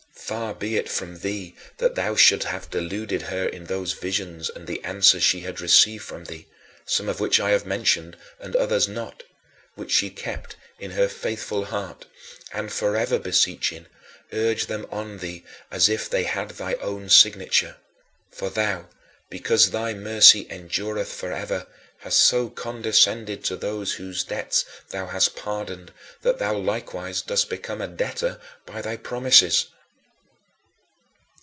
Far be it from thee that thou shouldst have deluded her in those visions and the answers she had received from thee some of which I have mentioned, and others not which she kept in her faithful heart, and, forever beseeching, urged them on thee as if they had thy own signature. For thou, "because thy mercy endureth forever," hast so condescended to those whose debts thou hast pardoned that thou likewise dost become a debtor by thy promises.